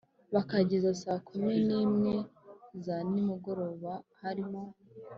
bakageza saa kumi n imwe za nimugoroba harimo